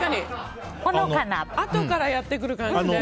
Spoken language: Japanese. あとからやってくる感じで。